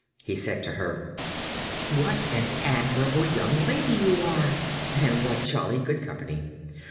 He said to her: "What an admirable young lady you are, and what jolly good company!